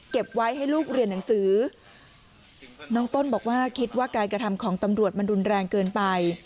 ไว้ให้ลูกเรียนหนังสือน้องต้นบอกว่าคิดว่าการกระทำของตำรวจมันรุนแรงเกินไป